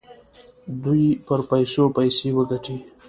دوی پر پیسو پیسې وګټي.